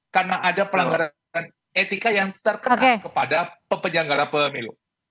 karena ada pelanggaran etika yang terkenal kepada pemilu